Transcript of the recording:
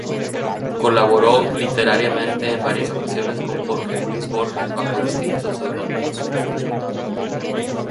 Colaboró literariamente en varias ocasiones con Jorge Luis Borges bajo distintos pseudónimos.